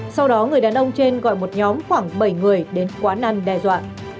sau đó người đàn ông trên gọi một nhóm khoảng bảy người đến quán ăn đe dọa